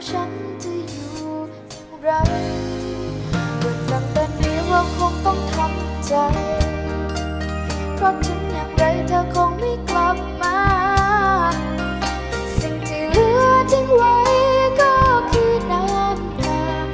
สิ่งที่เหลือทิ้งไว้ก็คือน้ำตา